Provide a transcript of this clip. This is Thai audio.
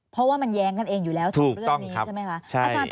เพราะว่ามันแย้งกันเองอยู่แล้ว๒เรื่องนี้ใช่ไหมคะ